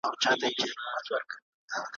ورځ به په خلوت کي د ګناه د حسابو نه وي `